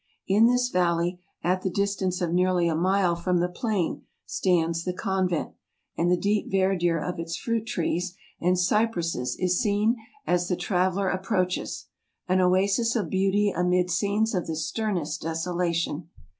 In this valley, at the distance of nearly a mile from the plain, stands the convent, and the deep verdure of its fruit trees and cypresses is seen as the traveller approaches—an oasis of beauty amid scenes of the sternest desolation.